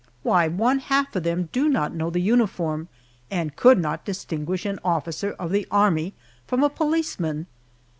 Why, one half of them do not know the uniform, and could not distinguish an officer of the Army from a policeman!